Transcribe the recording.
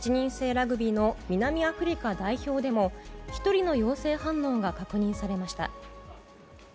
ラグビーの南アフリカ代表でも１人の陽性反応が確認されました。